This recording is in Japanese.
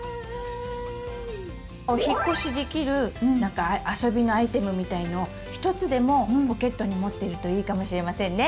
「お引っ越しできる」あそびのアイテムみたいのをひとつでもポケットに持ってるといいかもしれませんね！